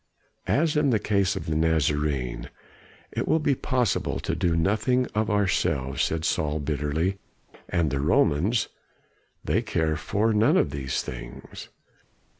"As in the case of the Nazarene, it will be possible to do nothing of ourselves," said Saul bitterly. "And the Romans they care for none of these things."